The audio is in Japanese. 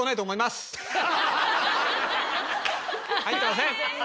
入ってません。